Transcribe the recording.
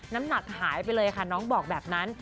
น้ำหนักหายไปเลยค่ะน้องบอกแบบนั้น